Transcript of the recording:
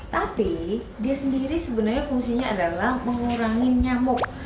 tapi dia sendiri sebenarnya fungsinya adalah mengusir